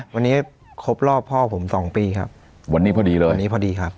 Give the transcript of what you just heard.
วันนี้ครบรอบพ่อผมสองปีครับวันนี้พอดีเลยวันนี้พอดีครับ